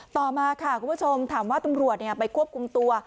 ต่อมาค่ะคุณผู้ชมถามว่าตำรวจไปควบคุมตัว